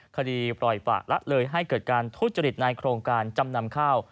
คดีปล่อยปะละเลยให้เกิดการทุจริตในโครงการจำนำข้าว